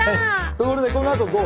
ところでこのあとどう？